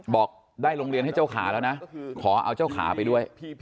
บอกได้โรงเรียนให้เจ้าขาแล้วนะขอเอาเจ้าขาไปด้วย